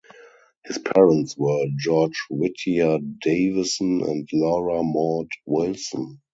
His parents were George Whittier Davison and Laura Maude Wilson.